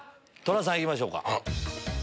トラさん行きましょうか。